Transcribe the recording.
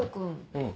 うん。